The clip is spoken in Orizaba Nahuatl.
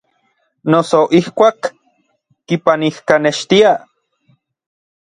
Noso ijkuak kipanijkanextiaj.